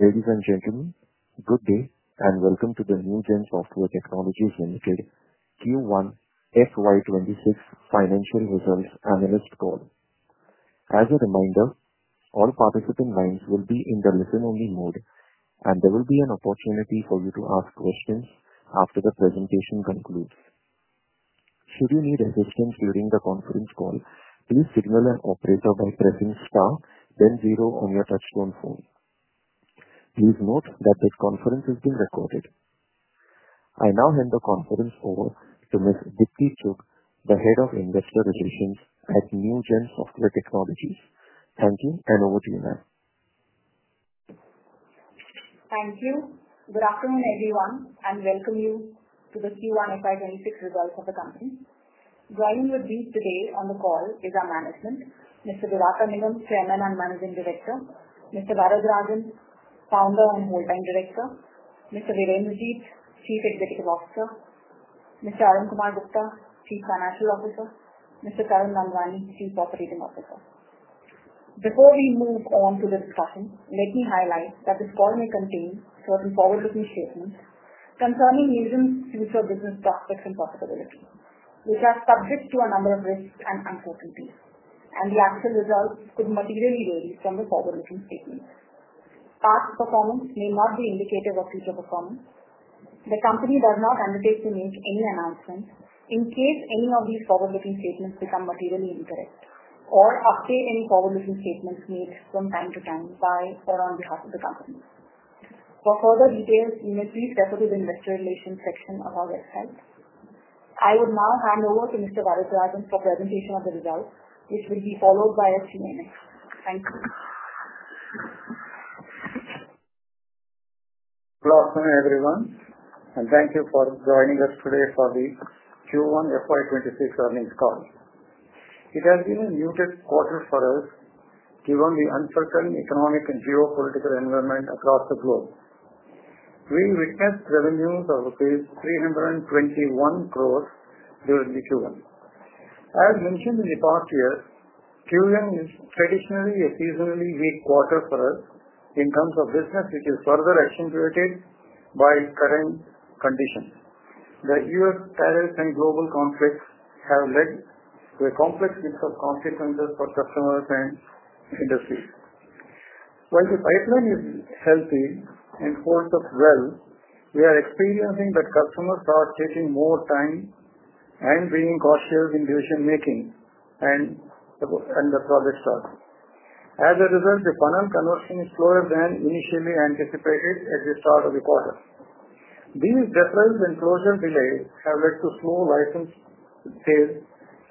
Ladies and gentlemen, good day and welcome to the Newgen Software Technologies Limited Q1 FY 2026 Financial Results Analyst Call. As a reminder, all participant lines will be in the listen-only mode, and there will be an opportunity for you to ask questions after the presentation concludes. Should you need assistance during the conference call, please signal an operator by pressing star then zero on your touch-point phone. Please note that this conference is being recorded. I now hand the conference over to Ms. Deepti Chugh, the Head of Investor Relations at Newgen Software Technologies Limited. Thank you, and over to you now. Thank you. Good afternoon, everyone, and welcome you to this Q1 FY 2026 Results Overview. Joining your view today on the call is our management, Mr. Diwakar Nigam, Chairman and Managing Director; Mr. T. S. Varadarajan, Founder and Whole-time Director; Mr. Virender Jeet, Chief Executive Officer; Mr. Arun Kumar Gupta, Chief Financial Officer; and Mr. [Tarun Nandwani], Chief Operating Officer. Before we move on to the discussion, let me highlight that this call may contain certain forward-looking statements concerning the future business prospects and possibilities, which are subject to a number of risks and unforeseen fees, and the actual results could materially be different from the forward-looking statements. Past performance may not be indicative of future performance. The company does not undertake to make any announcements in case any of these forward-looking statements become materially incorrect or update any forward-looking statements made from time to time by or on behalf of the company. For further details, you may please refer to the Investor Relations section of our website. I will now hand over to Mr. Varadarajan for the presentation of the results, which will be followed by a few minutes. Thank you. Good afternoon, everyone, and thank you for joining us today for this Q1 FY 2026 Earnings Call. It has been a muted quarter for us, given the uncertain economic and geopolitical environment across the globe. We've witnessed revenues of about INR 321 crores during Q1. As mentioned in the past year, Q1 is traditionally a seasonally weak quarter for us in terms of business, which is further accentuated by current conditions. The U.S. tariffs and global conflicts have led to a complex mix of consequences for customers and industries. While the pipeline is healthy and holds up well, we are experiencing that customers are chasing more time and bringing cost shares in decision-making and the project starts. As a result, the panel conversion is slower than initially anticipated at the start of the quarter. These differences in closure delays have led to slow license sales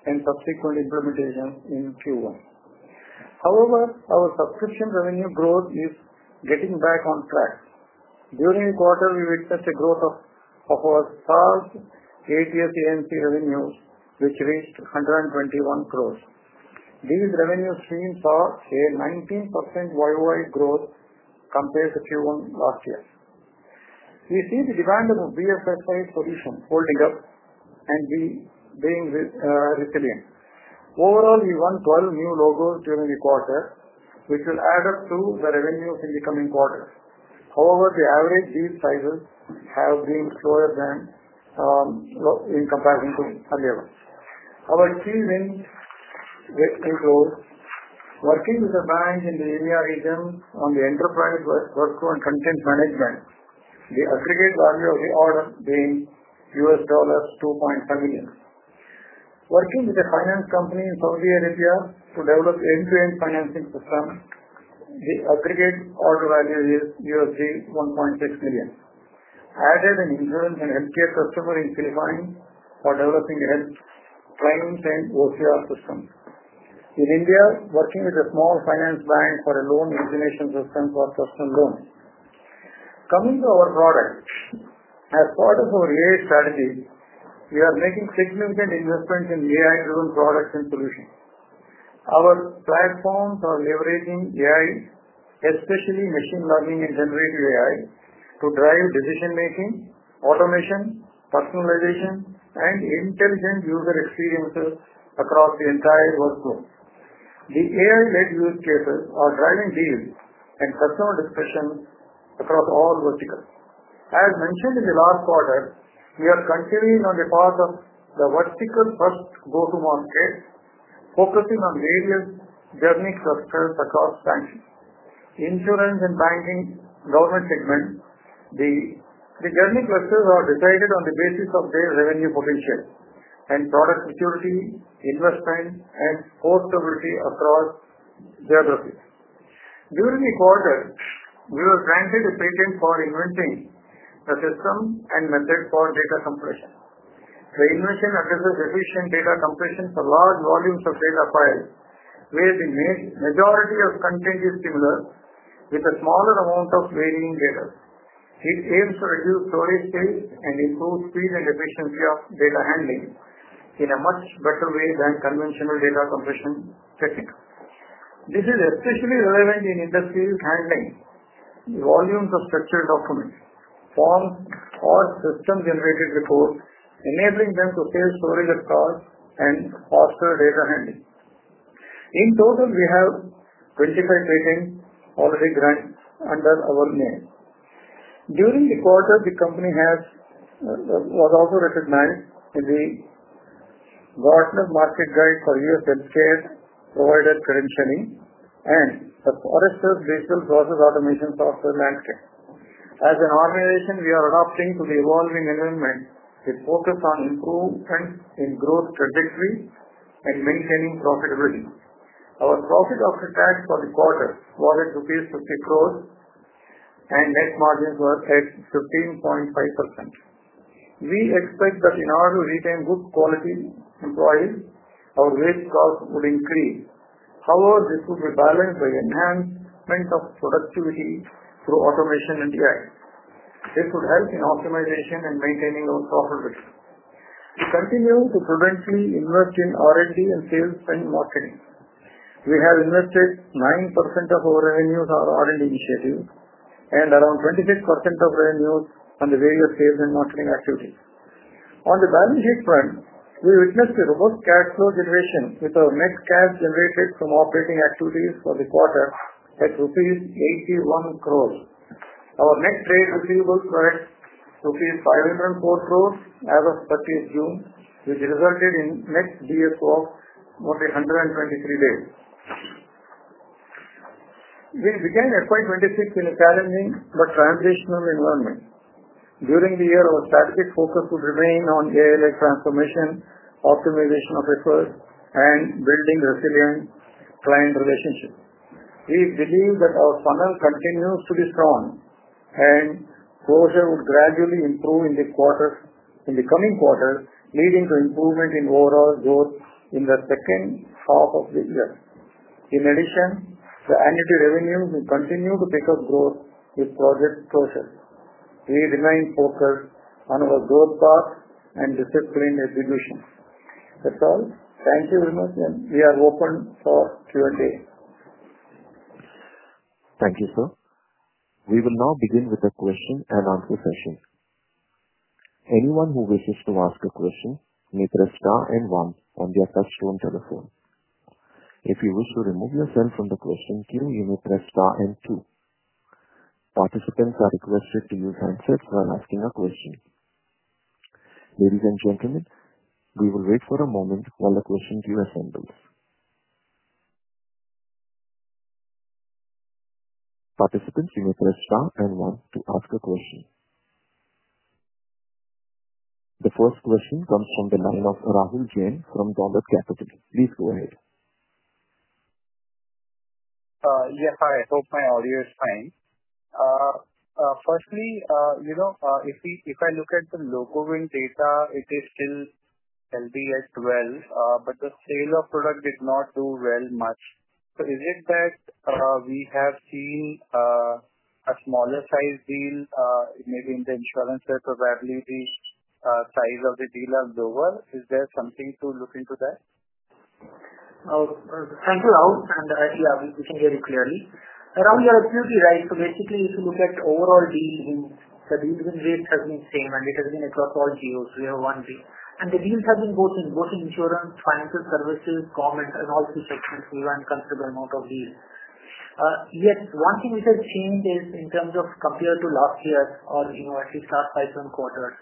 and subsequent implementation in Q1. However, our subscription revenue growth is getting back on track. During the quarter, we witnessed a growth of our SaaS, ATS/AMC revenues, which reached 121 crores. These revenues seem to have a 19% YoY growth compared to Q1 last year. We see the demand of BFSI's position holding up and being resilient. Overall, we won 12 new logos during the quarter, which will add up to the revenues in the coming quarters. However, the average use sizes have been slower than in comparison to 2011. Our key wins include working with the banks in the India region on the enterprise workflow and content management. The aggregate value of the order being $2.2 million. Working with a finance company in Saudi Arabia to develop the end-to-end financing system, the aggregate order value is $1.6 million. I had an insurance and healthcare customer in Philippines for developing health claims and OCR systems. In India, working with a small finance bank for a loan origination system for custom loans. Coming to our products, as part of our AI strategy, we are making significant investments in AI-driven products and solutions. Our platforms are leveraging AI, especially machine learning and generative AI, to drive decision-making, automation, personalization, and intelligent user experiences across the entire workflow. The AI-led use cases are driving deals and customer discretion across all verticals. As mentioned in the last quarter, we are continuing on the path of the vertical first go-to-market, focusing on various journey clusters across banks. Insurance and banking dollar segments, the journey clusters are decided on the basis of their revenue potential and product maturity, investment, and scalability across geographies. During the quarter, we were granted a patent for inventing the systems and methods for data compression. The invention enables efficient data compression for large volumes of data files, where the majority of content is similar, with a smaller amount of varying data. It aims to reduce storage space and improve speed and efficiency of data handling in a much better way than conventional data compression techniques. This is especially relevant in industrial handling, the volumes of sectioned documents, forms, or system-generated reports, enabling them to save storage costs and foster data handling. In total, we have 25 patents already granted under our name. During the quarter, the company was also recognized in the Gartner Market Guide for U.S. Healthcare Provider Credentialing and the Forrester's Digital Process Automation Software Landscape. As an organization, we are adapting to the evolving environment with focus on improvements in growth trajectories and maintaining profitability. Our profit after tax for the quarter was at 50 crores rupees, and net margins were at 15.5%. We expect that in order to retain good-quality employees, our wage costs would increase. However, this would be balanced by enhancement of productivity through automation and AI. This would help in optimization and maintaining our profitability. We continue to prudently invest in R&D and sales and marketing. We have invested 9% of our revenues in R&D initiatives and around 26% of revenues on the various sales and marketing activities. On the balance sheet front, we witnessed a robust cash flow generation with our net cash generated from operating activities for the quarter at rupees 81 crores. Our net trade receivables were at rupees 504 crores as of 30th June, which resulted in net DSO of 123 days. We began FY 2026 in a challenging but transitional environment. During the year, our tactics focus would remain on AI transformation, optimization of effort, and building resilient client relationships. We believe that our funnel continues to be strong and closure would gradually improve in the quarters, in the coming quarter, leading to improvement in overall growth in the second half of the year. In addition, the annual revenues will continue to pick up growth with project closures. We remain focused on our growth path and disciplined executions. That's all. Thank you very much, and we are open to your day. Thank you, sir. We will now begin with the question and answer session. Anyone who wishes to ask a question may press star and one on their touch-tone telephone. If you wish to remove yourself from the question, you may press star and two. Participants are requested to use handsets when asking a question. Ladies and gentlemen, we will wait for a moment while the questions are handled. Participants, you may press star and one to ask a question. The first question comes from the line of Rahul Jain from Dolat Capital. Please go ahead. Yes, hi. I hope my audio is fine. Firstly, if I look at the low-current data, it is still healthy at 12, but the sale of product did not do well much. Is it that we have seen a smaller size deal? Maybe in the insurance, the probability size of the deal is lower. Is there something to look into that? Thank you, Rahul, and I think I'm listening very clearly. Around your QDI, so basically, if you look at overall deals, the revenue rate has been the same, and it has been at around 1 crore or INR 1 crore. The deals have been both in insurance, financial services, comments, and all of the sections. We ran a considerable amount of deals. Yet one thing which has changed is in terms of compared to last year or, you know, at least last five third quarter,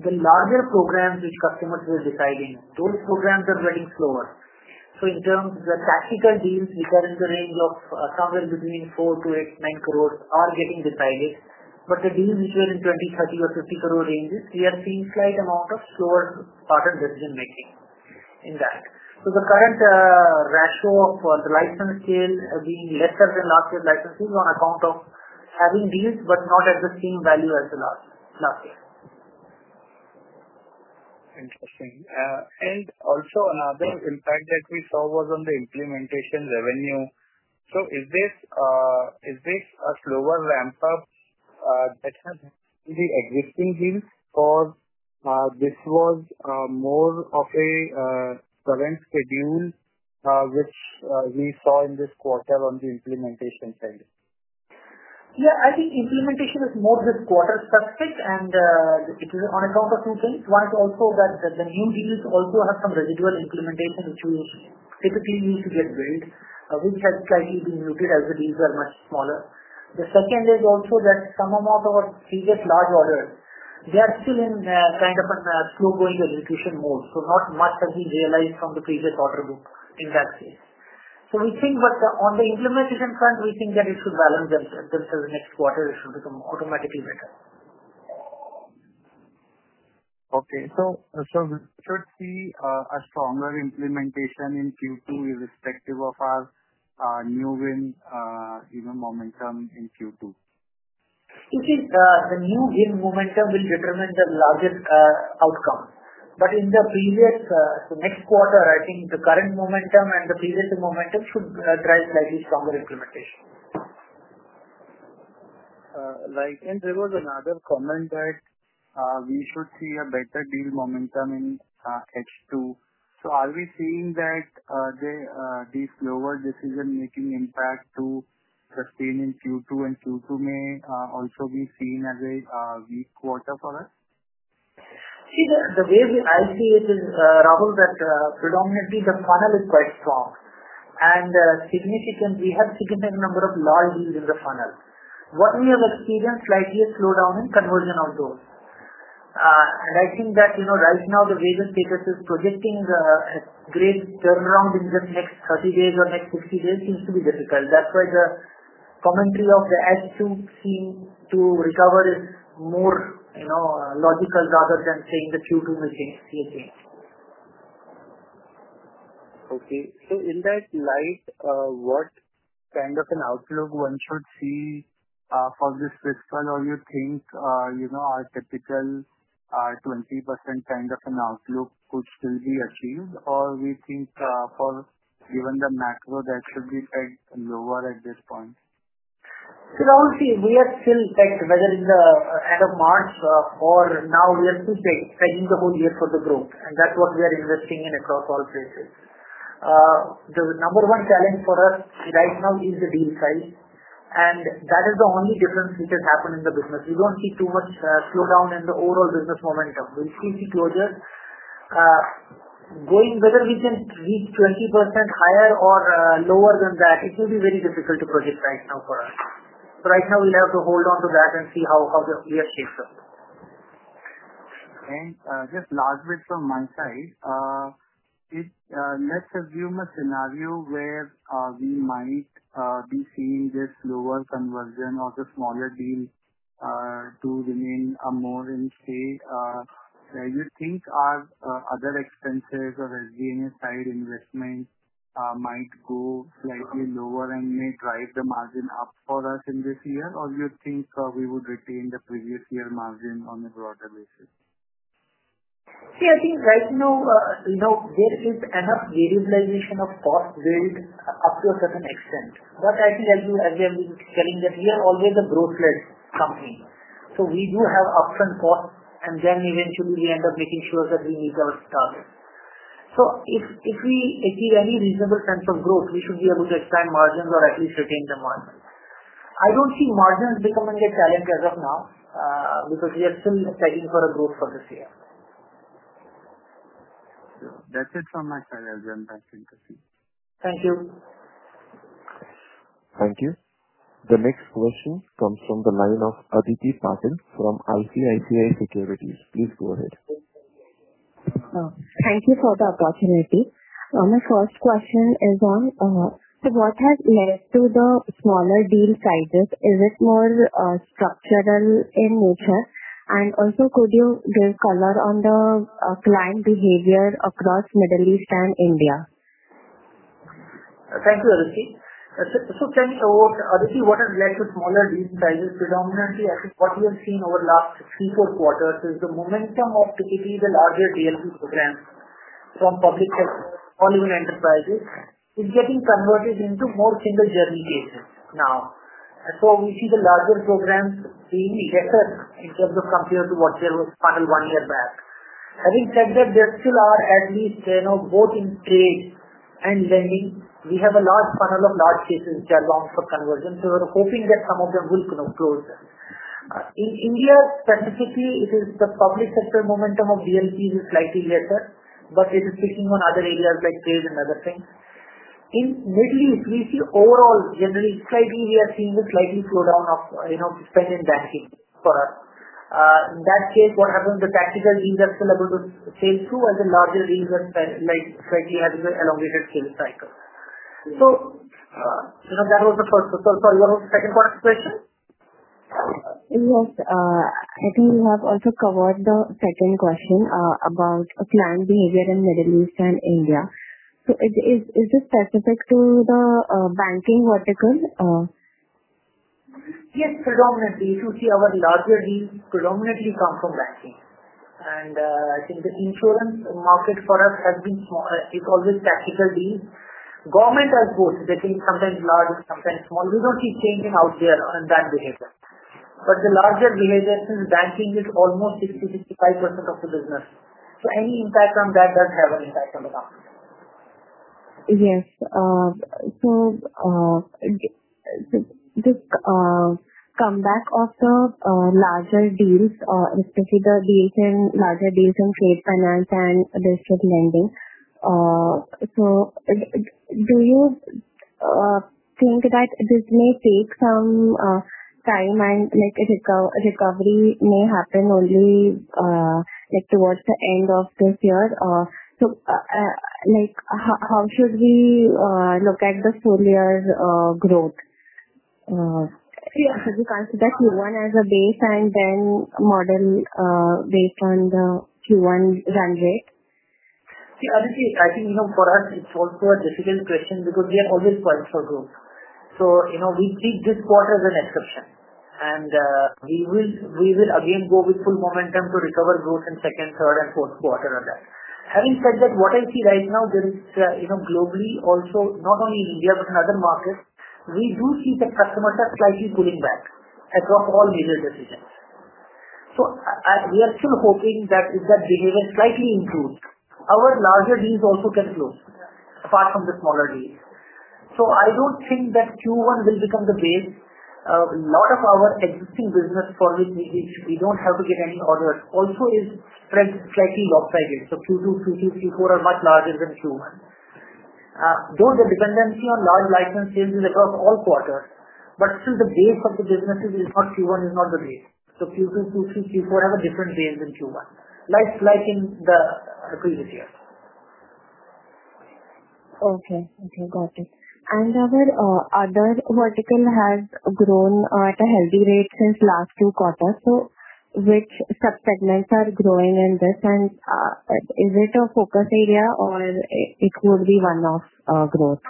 the larger programs which customers were deciding, those programs are getting slower. In terms of the tactical deals, we fall into the range of somewhere between 4 crore to 8-9 crore are getting decided. The deals which were in 20, 30, or 50 crore ranges, we are seeing a slight amount of slower pattern decision-making in that. The current ratio for the license deals, again, less than the last year's licenses on account of having deals, but not at the same value as the last. Interesting. Another impact that we saw was on the implementation revenue. Is this a slower ramp-up that has been in existing deals, or was this more of a current schedule which we saw in this quarter on the implementation side? Yeah, I think implementation is more this quarter specific, and the situation on account of some things. One is also that the new deals also have some residual implementation issues. Everything needs to get built, which has slightly been muted as the deals are much smaller. The second is also that some amount of our previous large orders, they are still in kind of a slow-going delegation mode. Not much has been realized from the previous order group in that case. We think that on the implementation front, we think that it should balance themselves. Next quarter, it should become automatically better. Okay. Let's see a stronger implementation in Q2 irrespective of our new win momentum in Q2. In case the new win momentum will represent the largest outcome. In the previous, next quarter, I think the current momentum and the previous momentum should drive a stronger implementation. There was another comment that we should see a better deal momentum in Q2. Are we seeing that the slower decision-making impact is sustained in Q2 and Q2 may also be seen as a weak quarter for us? See, the way I see it is, Rahul, that predominantly the funnel is quite strong. We have a significant number of large deals in the funnel. What we have experienced, likely, is slowdown in conversion of those. I think that, you know, right now, the various businesses projecting the great turnaround in the next 30 days or next 50 days seems to be difficult. That's why the commentary of the S2 seemed to recover is more, you know, logical rather than saying that Q2 will change seriously. Okay. In that light, what kind of an outlook one should see for this fiscal? You think, you know, our typical 20% kind of an outlook could still be achieved? You think for even the macro that should be a bit lower at this point? Rahul, we are still, whether it's the end of March or now, we are still selling the whole year for the group. That's what we are investing in across all places. The number one challenge for us right now is the deal size. That is the only difference which has happened in the business. We don't see too much slowdown in the overall business momentum. We still see closures. Whether we can reach 20% higher or lower than that, it will be very difficult to predict right now for us. Right now, we have to hold on to that and see how the year takes us. Just last bit from my side, let's assume a scenario where we might be seeing this lower conversion or the smaller deal to remain more in sale. Do you think our other expenses or resilience-tied investment might go slightly lower and may drive the margin up for us in this year? Do you think we would retain the previous year margin on a broader basis? I think right now, both is another variabilization of costs will up to a certain extent. I think, as you have been telling that we are always a growth-led company. We do have upfront costs, and then eventually, we end up making sure that we meet those targets. If we achieve any reasonable sense of growth, we should be able to expand margins or at least retain the margin. I don't see margins becoming a challenge as of now because we are still fighting for a growth for this year. That's it from my side. I'll turn back to Deepti. Thank you. Thank you. The next question comes from the line of Aditi Patil from ICICI Securities. Please go ahead. Thank you for the opportunity. My first question is on the broadcast list to the smaller deal sizes. Is this more structural in nature? Could you give color on the client behavior across the Middle East and India? Thank you, Aditi. Thank you for Aditi. What has led to smaller deal sizes predominantly is what we have seen over the last three quarters is the momentum of PPT, the larger DLP programs from public health, all of our enterprises is getting converted into more single-journey cases now. We see the larger programs really get us in terms of compared to what there was funnel one year back. Having said that, there still are at least, you know, both in trade and lending, we have a large funnel of large cases that long for conversion. We are hoping that some of them will close. In India, specifically, the public sector momentum of DLP is slightly lesser, but it is pushing on other areas like sales and other things. In the Middle East, we see overall generally slightly, we are seeing a slightly slowdown of spending banking. In that case, what happens? The tactical deals are still able to sell through, and the larger deals are slightly having an elevated sales cycle. That was the first. Your second question, please? I think you have also covered the second question about client behavior in the Middle East and India. Is this specific to the banking vertical? Yes, predominantly. If you see our larger deals, predominantly are from banking. I think the insurance market for us has been small. It's always tactical deals. Government has both. They think sometimes large, sometimes small. We don't see changing out there on that behavior. The larger behavior is in the banking is almost 60%-65% of the business. Any impact on that does have an impact on the company. Yes. To come back off the larger deals, especially the deals in larger deals in trade finance and distributed lending, do you think that this may take some time and recovery may happen only towards the end of this year? How should we look at the four-year growth? Do you consider Q1 as a base and then model based on the Q1 run rate? See, Aditi, I think even for us, it's also a difficult question because we have always plans for growth. We think this quarter is an exception, and we will again go with full momentum to recover growth in second, third, and fourth quarter of that. Having said that, what I see right now, there is, globally also, not only in India, but in other markets, we do see that customers are slightly pulling back across all major decisions. We are still hoping that if that behavior slightly improves, our larger deals also can grow far from the smaller deals. I don't think that Q1 will become the base. A lot of our existing business for which we don't have to get any orders also is slightly locked by this. Q2, Q3, Q4 are much larger than Q1. Though the dependency on large license sales is across all quarters, the base of the business in Q1 is not the base. Q2, Q3, Q4 have a different base than Q1, like in the previous years. Okay. Got it. Our other vertical has grown at a healthy rate since last two quarters. Which sub-segments are growing in this? Is it a focus area or will it be one-off growth?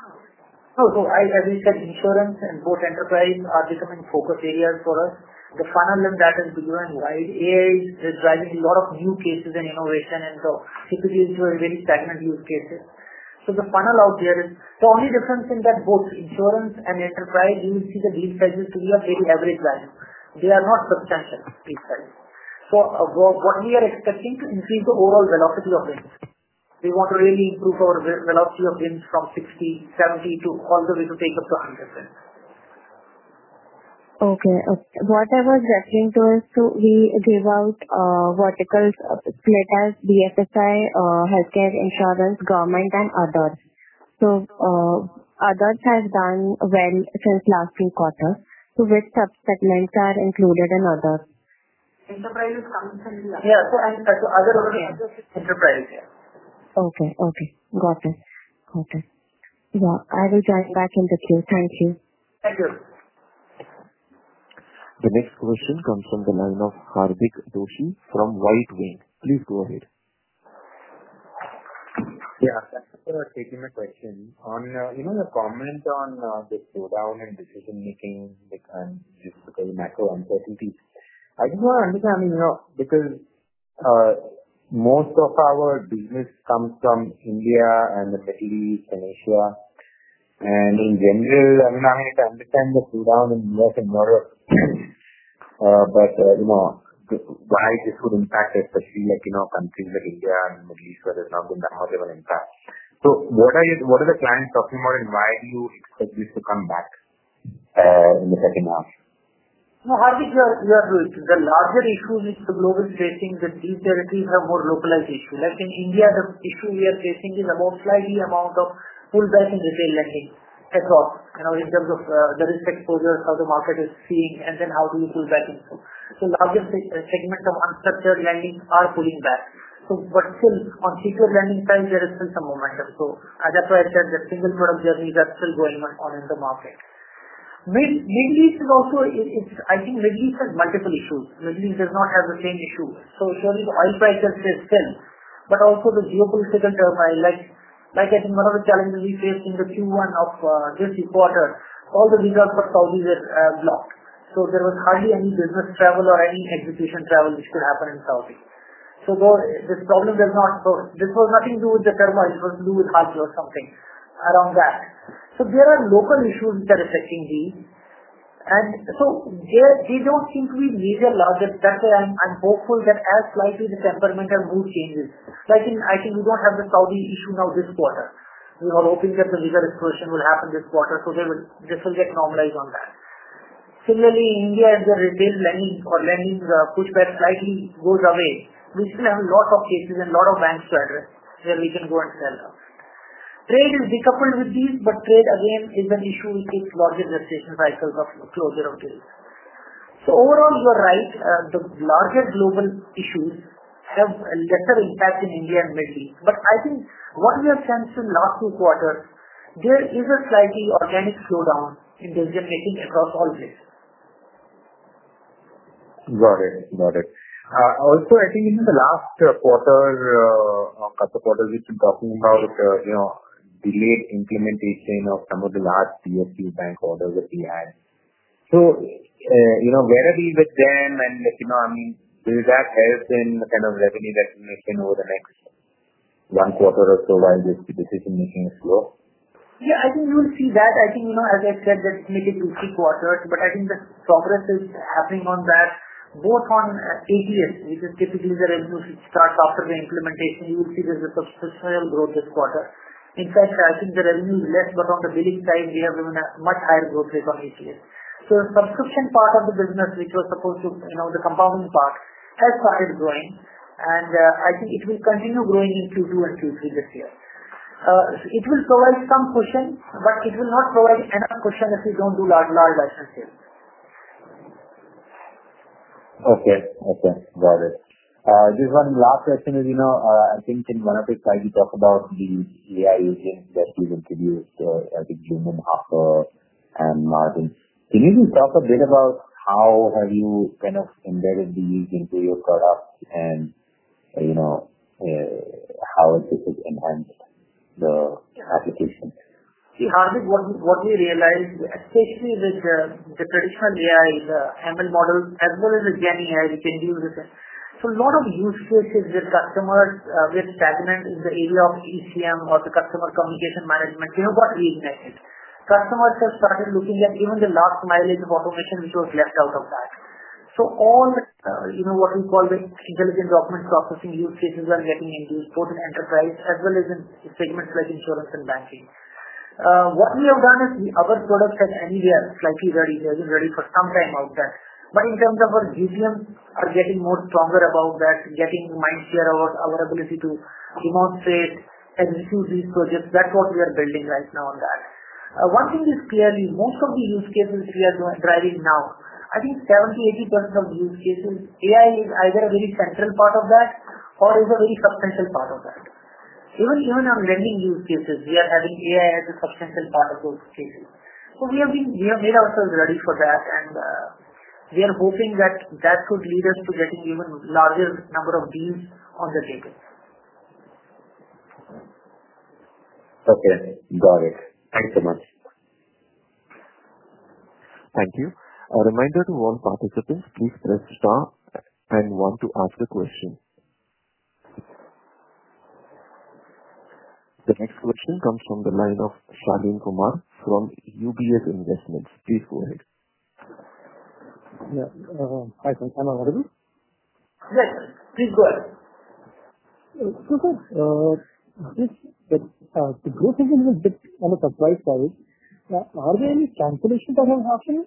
No, no. As I said, insurance and both enterprise are different focus areas for us. The funnel in that has been growing wide. AI is driving a lot of new cases and innovation. CPGs were really stagnant use cases. The funnel out there is the only difference in that both insurance and enterprise, you will see the deal sizes to be at very average value. They are not substantial deal sizes. We are expecting to increase the overall velocity of business. We want to really improve our velocity of business from 60, 70 to all the way to take up to 100. Okay. What I was referring to is we give out verticals such as BFSI, healthcare insurance, government, and others. Others have done well since last three quarters. Which sub-segments are included in others? Enterprise is coming second. Yeah. Other OEMs, enterprise, yeah. Okay. Got it. I will drive back in the queue. Thank you. The next question comes from the line of Hardik Doshi from White Whale. Please go ahead. Yeah, for taking my question, on, you know, the comment on the slowdown in decision-making and the physical macro uncertainties, I just want to understand, you know, because most of our business comes from India and the Pacific and Asia. In general, I'm not able to understand the slowdown in Northern Europe. You know, why this would impact especially like in our countries like India and the Middle East, where there's not been that much of an impact. What are you, what are the clients talking about, and why do you expect this to come back in the second half? As you hear, we are doing the larger issues. The global facing the deal territories are more localized issues. Like in India, the issue we are facing is a more slightly amount of pullback in resale lending as well, you know, in terms of the risk exposure, how the market is seeing, and then how do you pull back into. A larger segment of unstructured lending are pulling back. On secure lending side, there is still some momentum. As a part of the single product journey, that's still going on in the market. With Middle East, I think Middle East has multiple issues. Middle East does not have the same issues. Certainly, oil prices stay still, but also the geopolitical turmoil. I think one of the challenges we faced in the Q1 of this quarter, all the legal portfolios are blocked. There was hardly any business travel or any execution travel which could happen in Saudi. Though this problem does not, this was nothing to do with the turmoil. It was to do with hardware or something around that. There are local issues which are affecting, and they don't seem to be major larger pressure. I'm hopeful that as slightly the temperamental mood changes, like in, I think we don't have the Saudi issue now this quarter. We are hoping that the legal exposure will happen this quarter. This will get normalized on that. Similarly, in India, the retail lending or lending pushback slightly goes away. We still have a lot of cases and a lot of rents where we can go and sell now. Trade is decoupled with these, but trade, again, is an issue. It takes longer decisions by closer of deals. Overall, you're right. The larger global issues have a lesser impact in India and Middle East. I think what we have sensed in the last two quarters, there is a slightly organic slowdown in decision-making across all places. Got it. Also, I think in the last quarter, a couple of quarters which Rahul had delayed implementation of some of the last DLP bank orders that we had. Where are we with them, and does that help in the kind of revenue definition over the next one quarter as to why this decision-making is slow? Yeah, I think you'll see that. As I said, we need to do three quarters. I think the progress is happening on that. Both on ATS, which is typically the revenue that starts after the implementation, you will see there's a substantial growth this quarter. In fact, the revenue is less, but on the basic side, we have even a much higher growth rate on ATS. A consistent part of the business, which was supposed to be the compounding part, has started growing. I think it will continue growing in Q2 and Q3 this year. It will provide some cushion, but it will not provide enough cushion if we don't do large license sales. Okay. Got it. Just one last question. As you know, I think in one of the slides, you talk about the AI engine that we looked at you at the Bloomberg Hopper and Martin. Can you just talk a bit about how have you kind of embedded the use into your products and, you know, how this has enhanced the application? See, Hardik, what we realized, especially with the traditional AI, is the ML model, as well as the GPU, which you can use. A lot of use cases where customers get stagnant in the area of Enterprise Content Management or the Customer Communication Management, they are not really connected. Customers have started looking at even the last mileage of automation, which was left out of that. All, you know, what we call the intelligent document processing use cases are getting into both in enterprise, as well as in segments like insurance and banking. What we have done is the other products have anywhere slightly ready. They're getting ready for some time out there. In terms of our vision, are getting more stronger about that, getting in minds there about our ability to remote sales and issues we've produced. That's what we are building right now on that. One thing is CLU. Most of the use cases we are driving now, I think 70%-80% of the use cases, AI is either a very central part of that or is a very substantial part of that. Even our lending use cases, we are having AI as a substantial part of those cases. We have data also ready for that, and we are hoping that would lead us to getting even a larger number of deals on the table. Okay. Got it. Thanks so much. Thank you. A reminder to all participants, please press star and one to ask a question. The next question comes from the line of Shaleen Kumar from UBS Investments. Please go ahead. Yeah, hi sir. I'm available. Yes, please go ahead. The growth is a bit on the supply side. Are there any cancellations that have happened?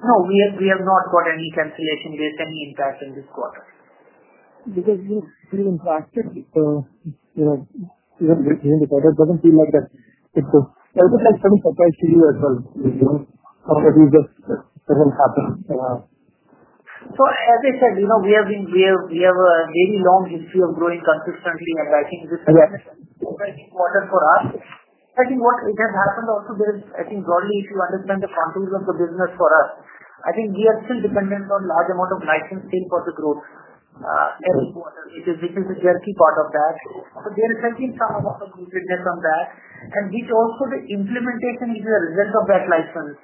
No, we have not got any cancellations. There's no impact in this quarter. Because you've impacted the decision to go ahead, doesn't seem like that it would have some surprise to you at all. However, this doesn't happen. As I said, you know, we have a very long history of growing consistently, and I think this is a quarter for us. I think what has happened also is, broadly, if you understand the conclusion for business for us, we are still dependent on a large amount of license deals for the growth. It is definitely a key part of that. There is actually a lot of decisions on that. We showed for the implementation is a result of that license.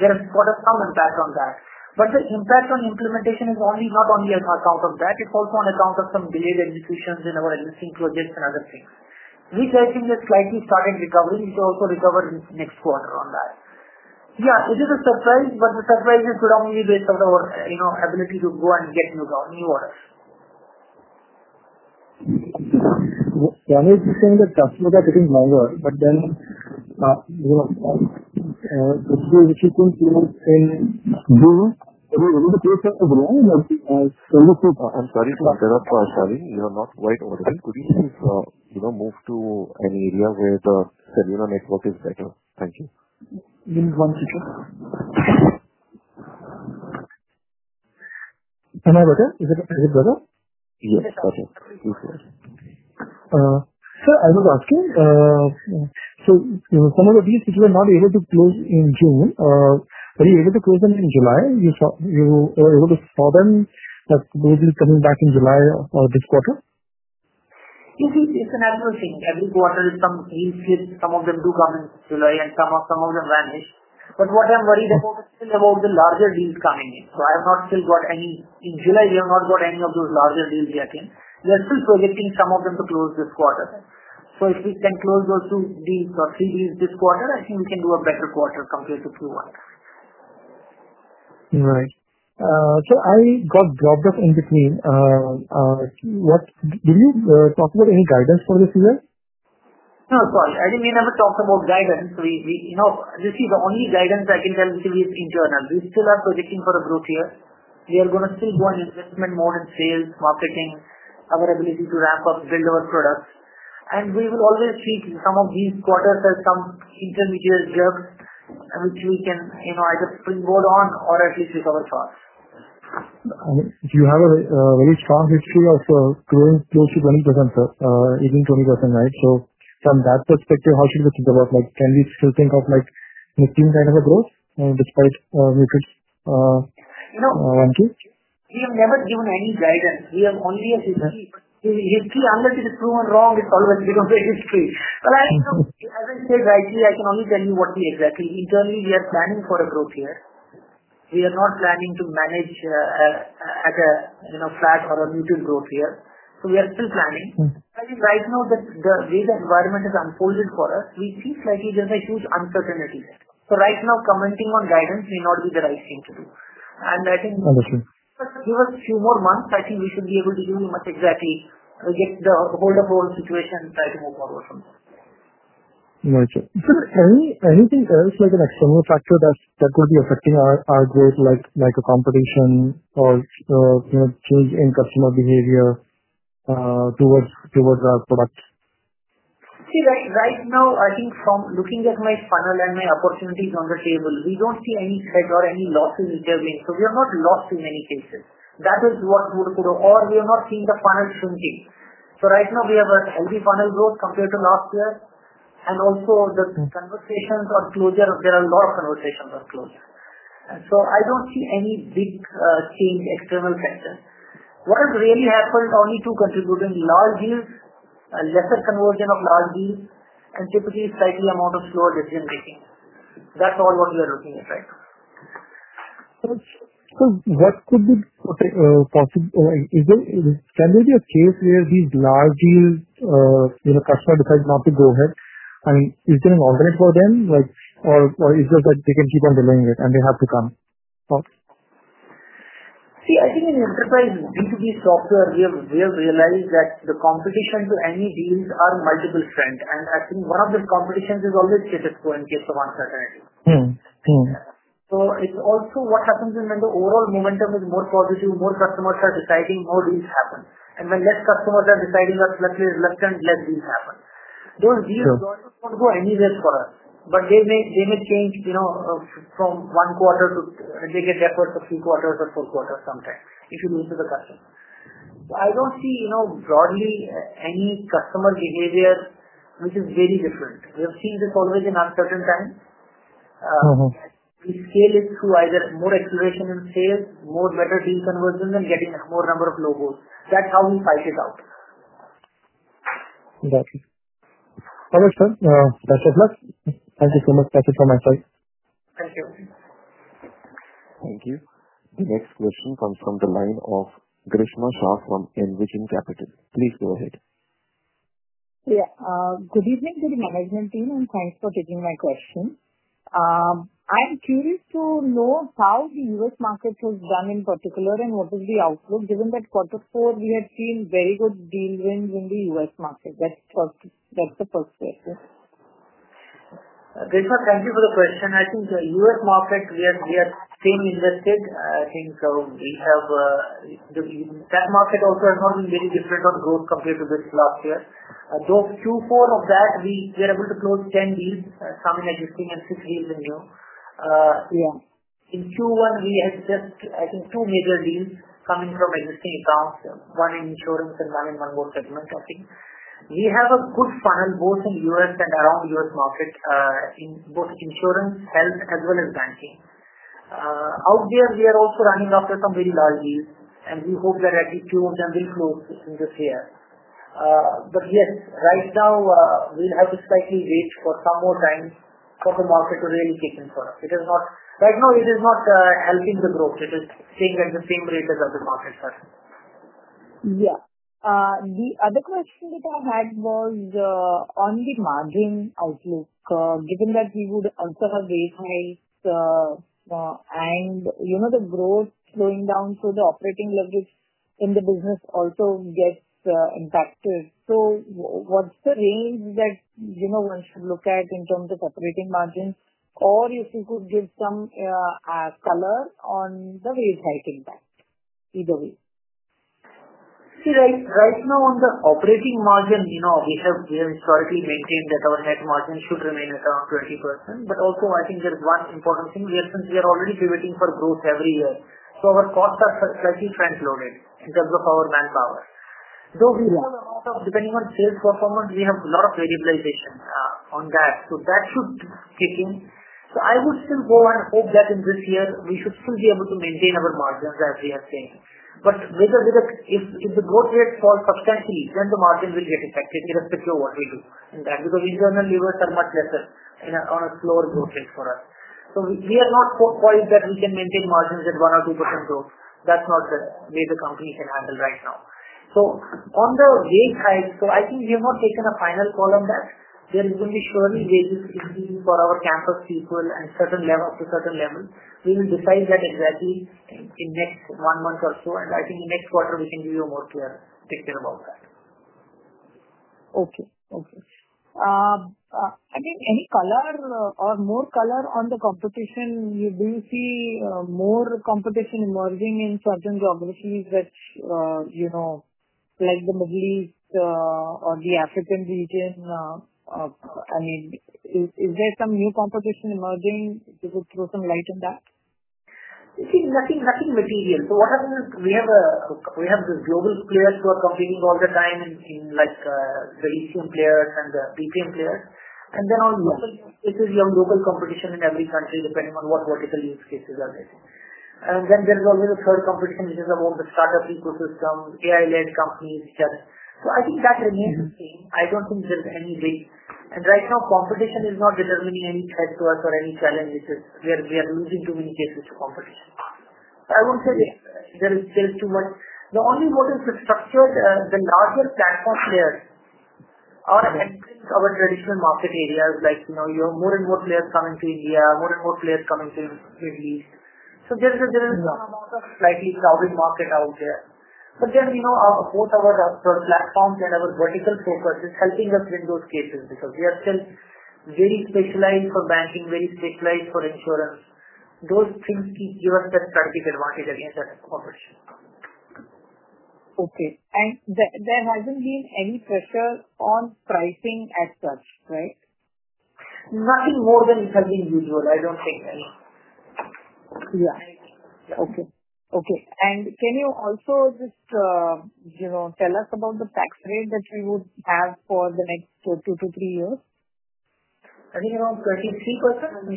There is quite some impact on that. The impact on implementation is not only an account of that. It's also an account of some delayed administrations in our existing projects and other things. We said in this slightly starting recovery, we could also recover in the next quarter on that. Yeah, which is a surprise, but the surprise is predominantly based on our ability to go and get new orders. Yeah, I mean, I was just saying that customers are getting longer, but the growth is growing. I'm sorry to interrupt, Shaleen. You are not quite available. Could you, if you know, move to an area where the cellular network is better? Thank you. In one people, can I go there? Is it better? Yes, go for it. Sir, I was asking, some of the deals which were not able to close in June, were you able to close them in July? You saw them have globally coming back in July of this quarter? You see, it's another thing. Every quarter, some deals, some of them do come in July and some of them vanish. What I'm worried about is about the larger deals coming in. I have not seen any in July. We have not got any of those larger deals yet in. They're still projecting some of them to close this quarter. If we can close those two deals or three deals this quarter, I think we can do a better quarter compared to Q1. Right. I got dropped off in between. Did you talk about any guidance for this year? No, sorry. I didn't really ever talk about guidance. The only guidance I can give you is internal. We still are still projecting for the growth here. We are going to still go and invest more in sales, marketing, our ability to rack up vendor products. We've always seen some of these quarters as some intermediate jobs which we can either springboard on or at least recover fast. You have a very strong history of growth close to 20%, sir. You've been 20%, right? From that perspective, how should we think about, like, can we still think of making kind of a growth despite the effects? We have never given any guidance. We have only assumed. It's true, how much it is proven wrong is how you can make mistakes. I think, as I said, rightly, I can only tell you what we exactly. Internally, we are planning for a growth here. We are not planning to manage at a flat or a mutual growth here. We are still planning. Right now, the way the environment is unfolding for us, we see slightly there's a huge uncertainty. Right now, commenting on guidance may not be the right thing to do. I think give us a few more months. I think we should be able to give you exactly we'll get the whole of our situation and try to move forward from there. Gotcha. Is there anything else, like an external factor, that could be affecting our growth, like a competition or, you know, change in customer behavior towards our product? Right now, I think from looking at my funnel and my opportunities on the table, we don't see any head or any loss in either way. We are not loss in any cases. That is what would occur. We are not seeing the funnel changing. Right now, we have a healthy funnel growth compared to last year. Also, the conversations on closure, there are a lot of conversations on closure. I don't see any big change in external factors. What has really happened is only two contributing: large deals and lesser conversion of large deals, and typically slightly amount of slow decision-making. That's all what we are looking at right now. What could be possible? Is there a standard case where these large deals, you know, customer decides not to go ahead? Is there an alternate for them, or is it that they can keep on delaying it and they have to come? See, I think in enterprise mode, B2B software, we have realized that the competition to any deals are multiple percentage. I think one of those competitions is always status quo in case of uncertainty. It's also what happens when the overall momentum is more positive, more customers are deciding, more deals happen. When less customers are deciding or slightly reluctant, less deals happen. Those deals don't go anywhere for us, but they may change, you know, from one quarter to they get backwards for three quarters or four quarters sometimes if you meet with the customer. I don't see, you know, broadly any customer behavior which is very different. We have seen this always in uncertain times. We scale it to either more exploration and sales, more better deal conversion, and getting a more number of logos. That's how we cycle out. Got it. All right, sir. That was us. Thank you so much. That's it from my side. Thank you. Thank you. The next question comes from the line of Grishna Shah from Envision Capital. Please go ahead. Good evening to the management team, and thanks for taking my question. I'm curious to know how the U.S. market has done in particular and what was the outlook, given that quarter four we have seen very good deal wins in the U.S. market. That's the first question. Grishna, thank you for the question. I think the U.S. market, we have seen invested. I think we have the market also has not really been very different on growth compared to this last year. Though Q4 of that, we were able to close 10 deals coming existing and 6 deals in June. In Q1, we had just, I think, two major deals coming from existing accounts, one in insurance and one in one more segment of things. We have a good funnel both in the U.S. and around the U.S. market in both insurance, health, as well as banking. Out there, we are also running off with some very large deals, and we hope they're actually closed and will close in this year. Yes, right now, we'll have to slightly wait for some more times for the market to really change for us. It is not right now, it is not helping the growth. It is staying at the same rate as other markets are. Yeah. The other question that I had was the ongoing margin outlook, given that we would also have a raise hike, and you know the growth slowing down, the operating levels in the business also get impacted. What's the range that you know one should look at in terms of operating margin? If you could give some color on the raise-hike impact, either way. See, right now, on the operating margin, you know we have historically maintained that our net margin should remain at around 20%. I think there's one important thing here, since we are already pivoting for growth every year. Our costs are slightly translated in terms of our manpower. Though we are also depending on sales performance, we have a lot of variabilization on that. That should kick in. I would still go and hope that in this year, we should still be able to maintain our margins as we have seen. If the growth rate for custom fees, then the margin would get affected. It has to grow, what we do. That's because internal users are much lesser on a slower growth rate for us. We are not quite that we can maintain margins at 1% or 2% growth. That's not really the company's scenario right now. On the raise-hike, I think we have not taken a final call there. There will be surely wages increasing for our campus sequel and certain level up to a certain level. We will define that exactly in the next one month or so. I think next quarter, we can give you a more clear picture about that. Okay. Okay. Any color or more color on the competition? You've been seeing more competition emerging in certain geographies, you know, like the Middle East or the African region. I mean, is there some new competition emerging? Would you put some light on that? See, nothing material. What happens is we have the global players who are competing all the time and seeing the regional players and the PTM players. On the market, it is your local competition in every country depending on what vertical use cases are there. There is always a third competition, which is about the startup ecosystem, AI-led companies which have. I think that's a really good thing. I don't think there's any way. Right now, competition is not determining any type of any challenges where we are losing too many cases to competition. I wouldn't say there is sales too much. The only what is structured, the larger platform players are entering our traditional market areas, like more and more players coming to India, more and more players coming to the Middle East. There is a general market out there. What our platforms and our vertical focus is helping us win those cases because we are still very specialized for banking, very specialized for insurance. Those things give us that practical market areas that I've covered. Okay. There hasn't been any pressure on pricing at first, right? Nothing more than something usual. I don't think. Okay. Okay. Can you also just, you know, tell us about the tax rate that we would have for the next two to three years? I think around 23%.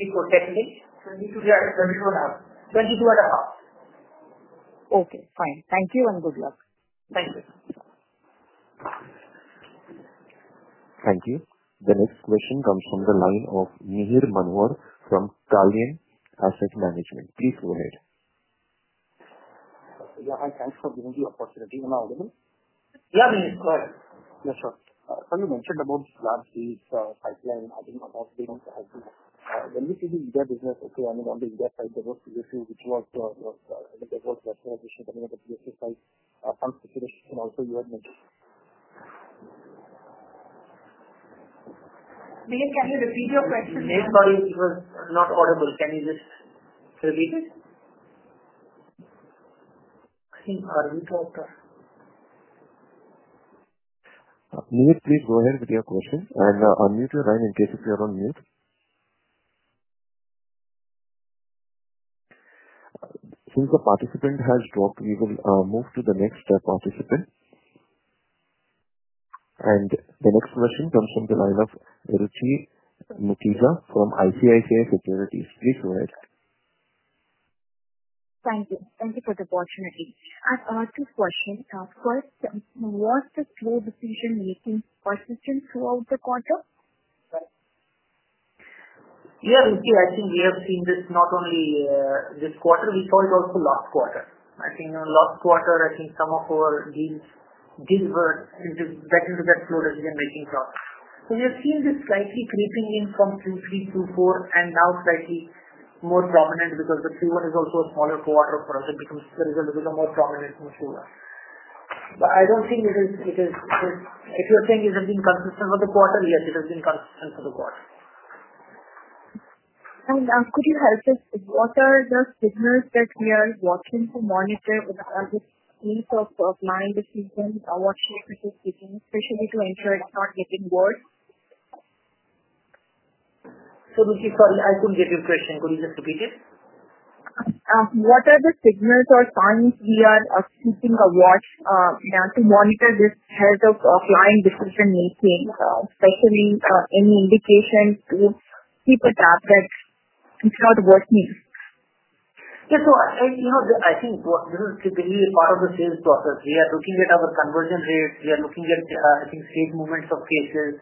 Okay. Fine. Thank you and good luck. Thank you. The next question comes from the line of Mihir Manohar from Canelian Asset Management. Please go ahead. Yeah, hi, thanks for giving me the opportunity. When am I available? Yeah, sure. Yes, sure. As you mentioned about last year's pipeline, I think a lot of things have to. Let me see the India business. Also, I'm going to India type of solution before I have to make the whole platform, which is the community of the system. I'll come to you later. We can try to repeat your question. Yes, but it was not audible. Can you just repeat it? I think we talked of. Nir, please go ahead with your question and unmute your line in case you're on mute. Since the participant has dropped, we will move to the next participant. The next question comes from the line of Ruchi Mukhija from ICICI Securities. Please go ahead. Thank you. Thank you for the opportunity. I've asked this question. I've heard some losses through decision-making throughout the quarter. Yeah, Ruchi, I think we have seen this not only this quarter. We saw it also last quarter. I think last quarter, some of our deals did hurt, and we're just getting to that slow decision-making process. We have seen this slightly creeping in from Q3 to Q4, and now slightly more prominent because Q1 is also a smaller quarter for us. It becomes a little more prominent in Q1. I don't think it is, if you're saying it has been consistent for the quarter, yes, it has been consistent for the quarter. Could you help us? What are the signals that we are watching to monitor in terms of line decisions? What should we be taking, especially to ensure it's not getting worse? Ruchi, sorry, I couldn't get your question. Could you just repeat it? What are the signals or signs we are assisting to watch to monitor this type of applying decision-making, especially any indication to keep a tab that it's not a worst case? Yeah, so I think this is typically part of the sales process. We are looking at our conversion rates. We are looking at, I think, sales movements of cases.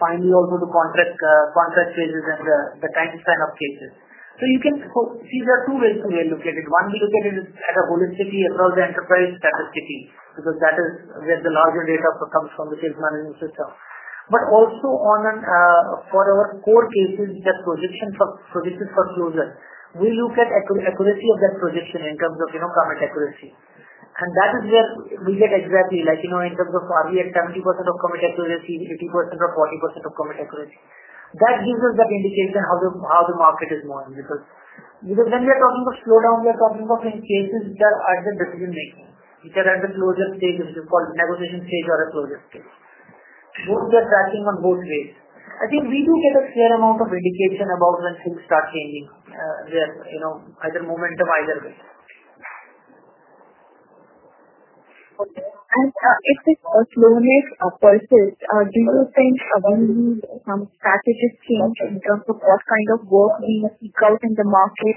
Finally, also the contract sales and the type of cases. You can see there are two ways to look at it. One, we look at it holistically across the enterprise type of city because that is where the larger data comes from the sales management system. Also, for our core cases, which are projected for closure, we look at the accuracy of that projection in terms of comment accuracy. That is where we get exactly, like, you know, in terms of are we at 70% of comment accuracy, 80% or 40% of comment accuracy. That gives us that indication of how the market is going because when we are talking about slowdown, we are talking about cases which are urgent decision-making, which are at the closure stage, which we call the evolution stage or a closure stage. We are tracking on both ways. I think we do get a fair amount of indication about when things start changing there, you know, either momentum either way. If the closures persist, do you think some strategies change in terms of what kind of work you seek out in the market?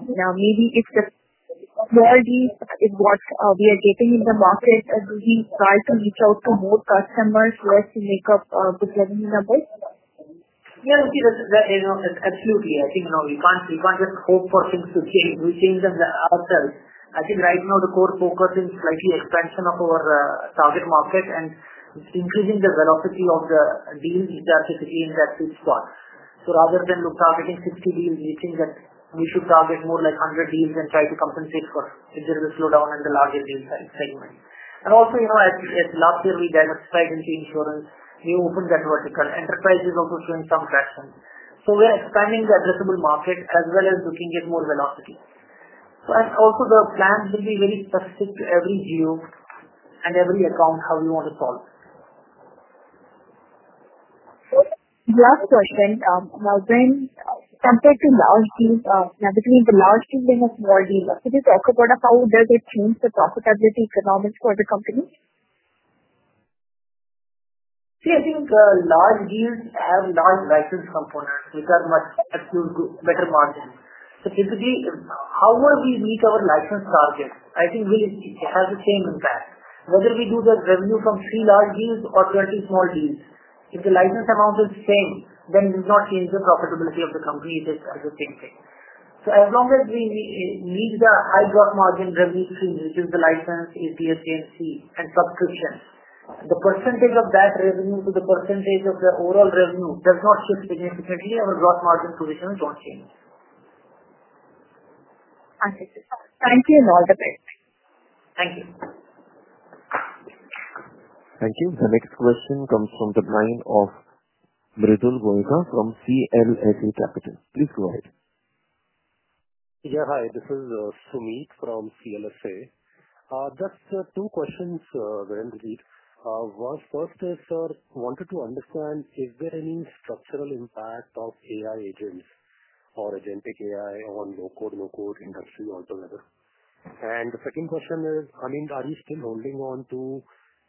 If the priority is what we are getting in the market, do we try to reach out to more customers who have to make up the revenue level? Yeah, Ruchi, absolutely. I think, you know, we can't just hope for things to change. We change them ourselves. I think right now the core focus is slightly expansion of our target market and increasing the velocity of the deals which are just hitting that pitch far. Rather than looking at just 50 deals, we think that we should target more like 100 deals and try to compensate for either the slowdown in the larger deals segment. Also, you know, as last year, we got a spike in change for a new open in that vertical. Enterprise is also seeing some flashing. We're expanding the addressable market as well as looking at more velocity. The plan will be very specific to every deal and every account, how we want to solve. You have a document. When compared to large deals, typically, the large dealing is more deals. Could you talk about how does it change the profitability economics for the company? See, I think the large deals have large license components. They've got much better margins. Typically, however we reach our license target, I think we have the same impact. Whether we do the revenue from three large deals or 30 small deals, if the license amount is the same, then it does not change the profitability of the company. It is the same thing. As long as we reach the high broad margin revenue to reduce the license, ATS/AMC, and subscription, the percentage of that revenue to the percentage of the overall revenue does not shift significantly. Our broad margin position is not changing. I see. Thank you, a lot of it. Thank you. Thank you. The next question comes from the line of Mridul Goenka from CLSA Capital. Please go ahead. Yeah, hi. This is Sumeet from CLSA. That's two questions within the lead. First is, sir, I wanted to understand if there are any structural impacts of AI agents or agentic AI on low-code, no-code industry altogether. The second question is, I mean, are you still holding on to